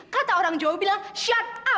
kata orang jawa bilang shut up